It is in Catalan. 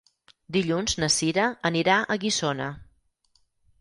Dilluns na Sira anirà a Guissona.